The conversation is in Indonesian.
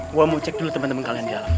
gue mau cek dulu temen temen kalian di dalam